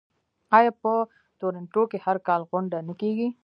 آیا په تورنټو کې هر کال غونډه نه کیږي؟